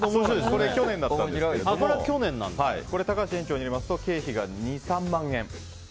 これは去年でしたが高橋園長によりますと経費が２３万円。